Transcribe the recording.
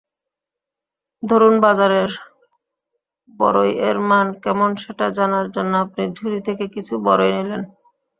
ধরুন বাজারের বড়ইয়ের মান কেমন সেটা জানার জন্য আপনি ঝুড়ি থেকে কিছু বড়ই নিলেন।